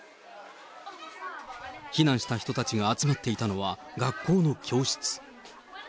避難した人たちが集まっていたのは、学校の教室。